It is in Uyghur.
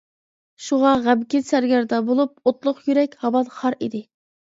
شۇڭا غەمكىن سەرگەردان بولۇپ، ئوتلۇق يۈرەك ھامان خار ئىدى.